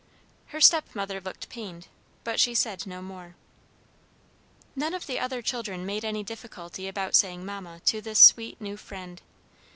Her stepmother looked pained, but she said no more. None of the other children made any difficulty about saying "Mamma" to this sweet new friend.